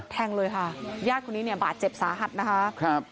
แทงเลยค่ะเนี่ยญาติคนนี้บาดเจ็บสาหัสนะคะ